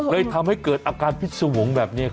เลยทำให้เกิดอาการพิสูงหวงแบบนี้ครับ